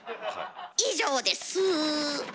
以上ですぅ。